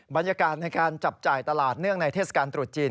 บรรยากาศในการจับจ่ายตลาดเนื่องในเทศกาลตรุษจีน